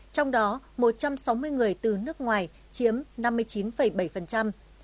trong đó một trăm sáu mươi người từ nước ngoài chiếm năm mươi chín bảy một trăm linh tám người lây nhiễm trong cộng đồng chiếm bốn mươi ba